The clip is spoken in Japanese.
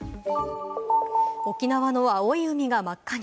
沖縄の青い海が真っ赤に。